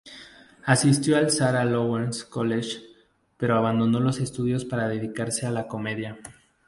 Asistió al Sarah Lawrence College, pero abandonó los estudios para dedicarse a la comedia.